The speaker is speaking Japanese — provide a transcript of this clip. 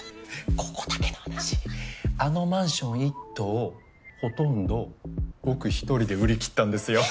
あのマンション１棟ほとんど僕１人で売りきったんですよ。